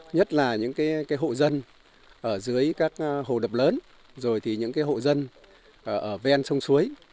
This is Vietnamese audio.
nhất là những hộ dân ở dưới các hồ đập lớn rồi thì những hộ dân ở ven sông suối